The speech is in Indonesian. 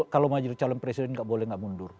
kalau mau jadi calon presiden gak boleh gak mundur